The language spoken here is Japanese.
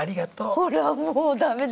ほらもうダメだ。